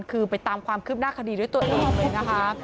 คือไปตามความคืบหน้าคดีด้วยตัวเองเลยนะคะ